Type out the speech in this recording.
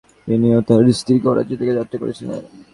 তিনি ও তার স্ত্রী করাচি থেকে যাত্রা করেছিলেন।